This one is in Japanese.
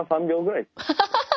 ハハハハハ！